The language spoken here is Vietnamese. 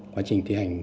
quá trình thi hành